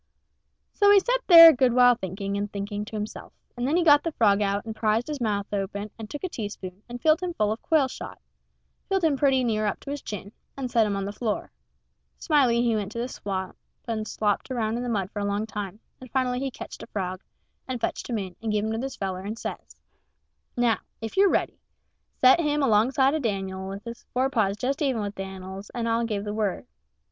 So he set there a good while thinking and thinking to himself, and then he got the frog out and prized his mouth open and took a teaspoon and filled him full of quail shot filled him pretty near up to his chin and set him on the floor. Smiley he went to the swamp and slopped around in the mud for a long time, and finally he ketched a frog, and fetched him in, and give him to this feller, and says: "Now, if you're ready, set him alongside of Dan'l with his forepaws just even with Dan'l's, and I'll give the word."